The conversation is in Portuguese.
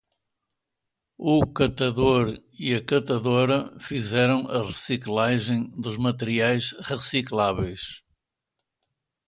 O catador e a catadora fizeram a reciclagem dos materiais recicláveis